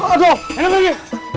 aduh enak lagi